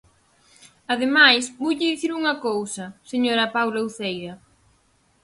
Ademais, voulle dicir unha cousa, señora Paula Uceira.